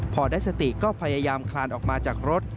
พอได้สติก็พยายามคลานออกมาจากรถ